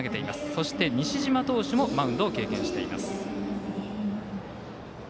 そして西嶋投手もマウンドを経験しています。